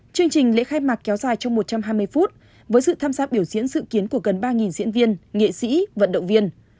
chương trình lễ khai mạc kéo dài trong một trăm hai mươi phút với sự tham gia biểu diễn dự kiến của gần ba diễn viên nghệ sĩ vận động viên